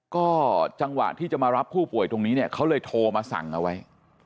ก็จังหวะที่จะมารับผู้ป่วยตรงนี้เนี่ยเขาเลยโทรมาสั่งเอาไว้